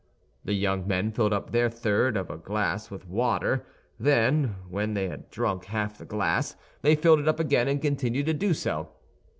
The young men filled up their third of a glass with water; then, when they had drunk half the glass, they filled it up again, and continued to do so.